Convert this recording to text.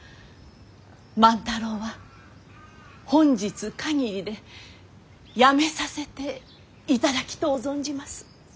万太郎は本日限りでやめさせていただきとう存じます。